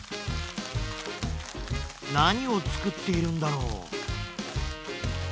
なにをつくっているんだろう？